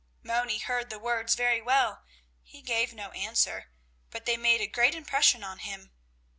Moni heard the words very well; he gave no answer, but they made a great impression on him.